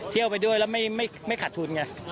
เที่ยวไปด้วยแล้วไม่ขาดทุนไง